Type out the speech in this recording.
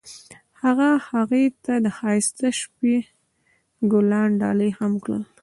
هغه هغې ته د ښایسته شپه ګلان ډالۍ هم کړل.